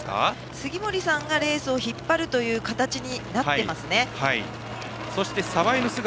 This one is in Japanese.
杉森さんがレースを引っ張る形になっていますね。